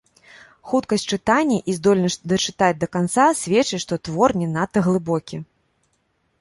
Хуткасць чытання і здольнасць дачытаць да канца сведчыць, што твор не надта глыбокі.